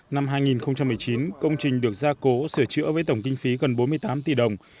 năm hai nghìn một mươi chín công trình được gia cố sửa chữa với tổng kinh phí gần bốn mươi tám tỷ đồng